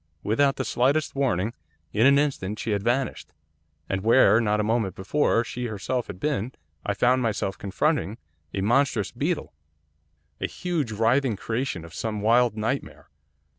Without the slightest warning, in an instant she had vanished, and where, not a moment before, she herself had been, I found myself confronting a monstrous beetle, a huge, writhing creation of some wild nightmare.